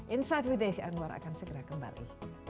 insight with desi anwar akan segera kembali